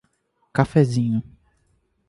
Cafézinho